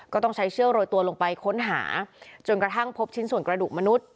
ก็ต้องใช้เชือกโรยตัวลงไปค้นหาจนกระทั่งพบชิ้นส่วนกระดูกมนุษย